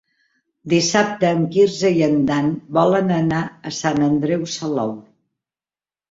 Dissabte en Quirze i en Dan volen anar a Sant Andreu Salou.